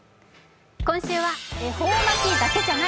今週は「恵方巻だけじゃない！